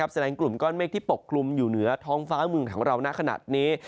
แสดงกลุ่มก้อนเมฆที่ปกคลุมอยู่เหนือท้องฟ้าเมืองของเราณขนาดนี้